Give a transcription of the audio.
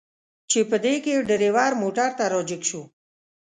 چې په دې کې ډریور موټر ته را جګ شو.